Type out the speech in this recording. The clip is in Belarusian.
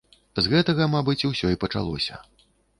З гэтага, мабыць, усё і пачалося.